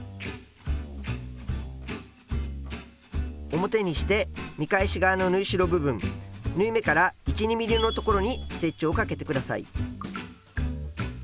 表にして見返し側の縫い代部分縫い目から１２ｍｍの所にステッチをかけてください。